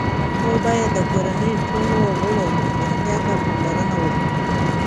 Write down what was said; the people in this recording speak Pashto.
موږ باید د کورنۍ ټولو غړو روغتیا ته پاملرنه وکړو